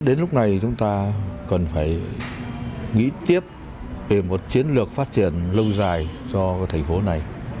đến lúc này chúng ta cần phải nghĩ tiếp về một chiến lược phát triển lâu dài cho thành phố này